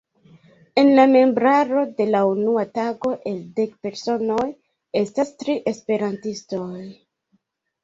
En la membraro de la unua tago el dek personoj estas tri esperantistoj.